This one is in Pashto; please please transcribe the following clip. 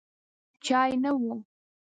چای نه و.